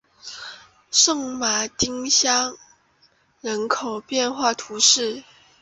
圣马丁乡人口变化图示